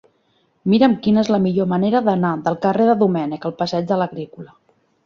Mira'm quina és la millor manera d'anar del carrer de Domènech al passeig de l'Agrícola.